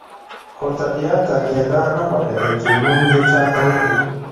خو طبیعتاً یې دا نه خوښېدل چې نوم دې چاته وښيي.